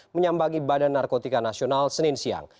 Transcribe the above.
menyambangi badan narkotika nasional senin siang